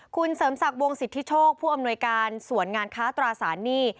คุณเสริมศักดิ์วงสิทธิโชคผู้อำนวยการส่วนงานค้าตราสารหนี้